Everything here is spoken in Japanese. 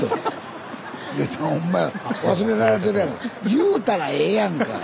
言うたらええやんか。